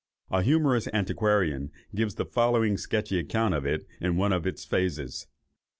A humorous antiquarian gives the following sketchy account of it in one of its phases.